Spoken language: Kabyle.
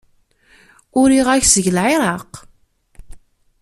Uriɣ-ak seg Lɛiraq.